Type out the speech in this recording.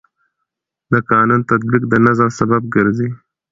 د قانون تطبیق د نظم سبب ګرځي.